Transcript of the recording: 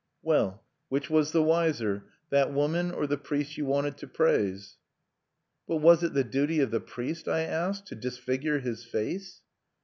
Well, which was the wiser, that woman, or the priest you wanted to praise?" "But was it the duty of the priest," I asked, "to disfigure his face?"